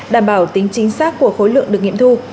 đảm bảo tính chính xác của khối lượng được nghiệm thu